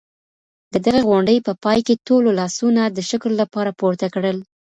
د دغي غونډې په پای کي ټولو لاسونه د شکر لپاره پورته کړل.